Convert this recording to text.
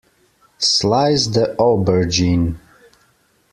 Slice the aubergine.